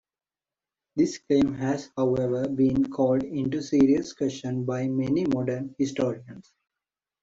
This claim has, however, been called into serious question by many modern historians.